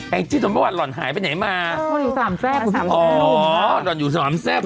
ไอ้จิศมลวันหล่อนหายไปไหนมาต้องอยู่สามแซ่บอ๋อหล่อนอยู่สามแซ่บ